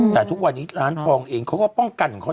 แต่ทุกวันนี้ร้านทองเองเขาก็ป้องกันของเขา